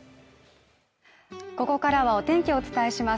ここからはお天気をお伝えします。